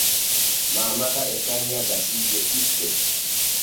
Maamata e tanna gasiije ɗuuɗɗe.